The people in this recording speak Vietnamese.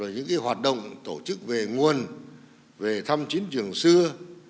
những hoạt động tổ chức về nguồn về thăm chiến trường xưa